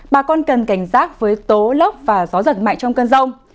bà con cần cảnh giác với tố lốc và gió giật mạnh trong cơn rông